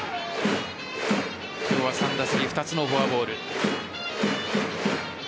今日は３打席２つのフォアボール。